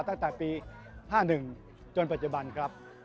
ซึ่งเราก็ทำมาตั้งแต่ปี๕๑จนปัจจุบันครับ